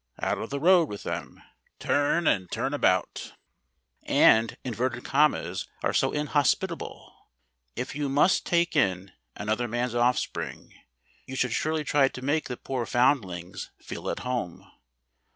Out of the road with them. Turn and turn about. And inverted commas are so inhospitable. If you must take in another man's offspring, you should surely try to make the poor foundlings feel at home.